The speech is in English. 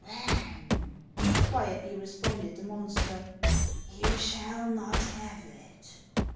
" Then," quietly responded the monster, "you shall not have it."